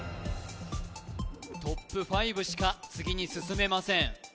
トップ５しか次に進めません